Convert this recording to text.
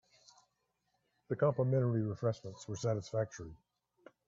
The complimentary refreshments were satisfactory.